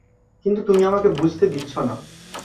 কিন্তু তুমি আমাকে বুঝতে দিচ্ছ না।